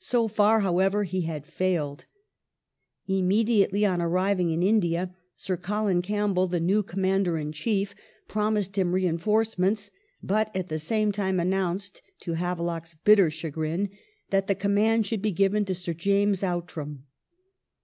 So far, however, he had failed. Immediately on arriving in India, Sir Colin Campbell, the new Commander in Chief, promised him reinforcements, but at the same time announced, to Havelock's bitter chagrin, that the command would be given to Sir James Outram.